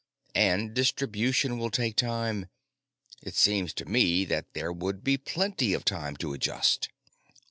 And distribution will take time. It seems to me that there would be plenty of time to adjust."